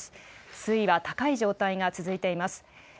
水位は高い状態が続いています。